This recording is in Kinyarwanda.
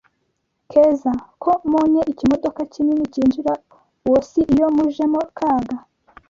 … Keza: Ko monye ikimodoka kinini kinjira uwo si iyo mujemo Kaga: